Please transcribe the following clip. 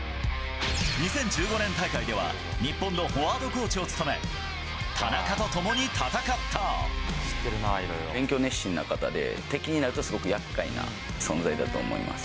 ２０１５年大会では、日本のフォワードコーチを務め、勉強熱心な方で、敵になるとすごくやっかいな存在だと思います。